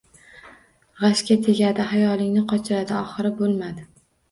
G’ashga tegadi. Xayolingni qochiradi… oxiri bo’lmadi